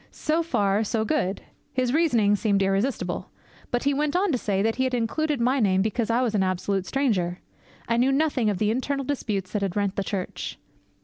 So far, so good. His reasoning seemed irresistible. But he went on to say that he had included my name because I was an absolute stranger. I knew nothing of the internal disputes that had rent the church.